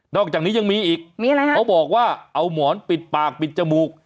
อกจากนี้ยังมีอีกมีอะไรฮะเขาบอกว่าเอาหมอนปิดปากปิดจมูก